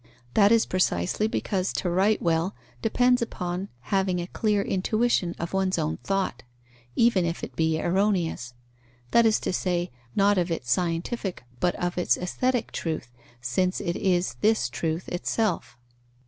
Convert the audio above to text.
That is precisely because to write well depends upon having a clear intuition of one's own thought, even if it be erroneous; that is to say, not of its scientific, but of its aesthetic truth, since it is this truth itself.